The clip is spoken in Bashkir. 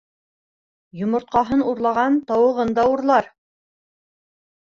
Йомортҡаһын урлаған тауығын да урлар.